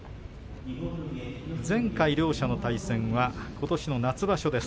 前回、両者の対戦はことしの夏場所です。